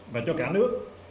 và cho cả nước